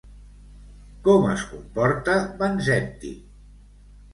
Com es comporta Vanzetti?